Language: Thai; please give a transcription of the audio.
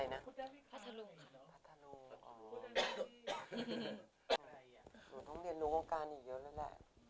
มีเรื่องเกี่ยวกับเดี๋ยวเปล่า